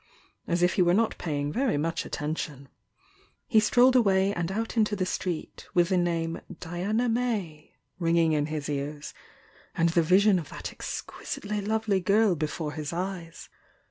as if he were not paying very much attention. He strolled away and out into the street, with the name "Diana May" ringing in his ears, and the vision of that exquisitely lovely girl before his eyes.